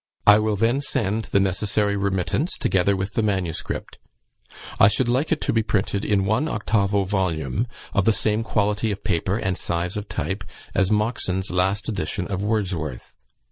I will then send the necessary remittance, together with the manuscript. I should like it to be printed in one octavo volume, of the same quality of paper and size of type as Moxon's last edition of Wordsworth.